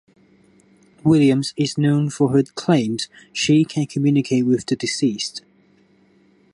Williams is known for her claims she can communicate with the deceased.